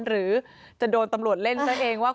หรือจะโดนตำรวจเล่นซะเองว่า